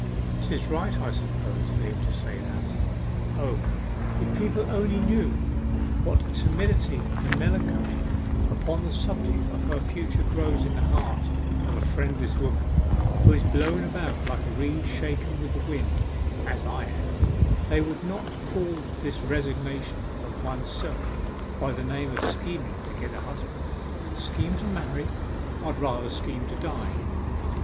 ''Tis right, I suppose, for him to say that. O, if people only knew what a timidity and melancholy upon the subject of her future grows up in the heart of a friendless woman who is blown about like a reed shaken with the wind, as I am, they would not call this resignation of one's self by the name of scheming to get a husband. Scheme to marry? I'd rather scheme to die!